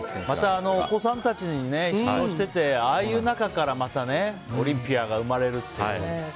またお子さんたちに指導しててああいう中から、またオリンピアが生まれるっていう。